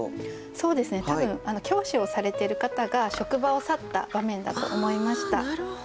そうですね多分教師をされている方が職場を去った場面だと思いました。